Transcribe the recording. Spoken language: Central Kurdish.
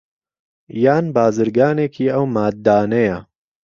یان بازرگانێکی ئەو ماددانەیە